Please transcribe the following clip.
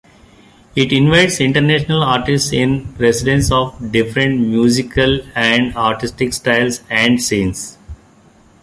It invites international artists in residence of different musical and artistic styles and scenes.